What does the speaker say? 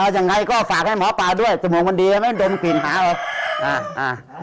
อย่างไรก็ฝากให้หมอปาด้วยจมูกมันดีไม่ดมกลิ่นหา